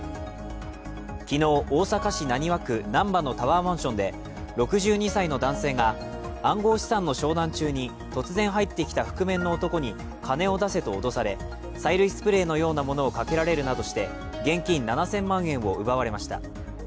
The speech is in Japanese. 昨日、大阪市浪速区難波のタワーマンションで、６２歳の男性が、暗号資産の商談中に突然入ってきた覆面の男に金を出せと脅され催涙スプレーのようなものをかけられるなどして現金７０００万円を奪われました。